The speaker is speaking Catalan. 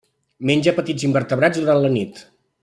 Menja petits invertebrats durant la nit.